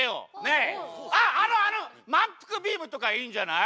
あっあのあのまんぷくビームとかいいんじゃない？